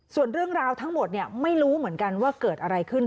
ส่วนเรื่องราวทั้งหมดไม่รู้เหมือนกันว่าเกิดอะไรขึ้น